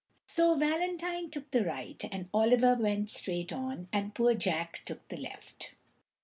So Valentine took the right, and Oliver went straight on, and poor Jack took the left.